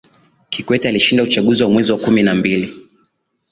kikwete alishinda uchaguzi wa mwezi wa kumi na mbili